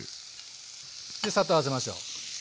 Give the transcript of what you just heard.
でサッと混ぜましょう。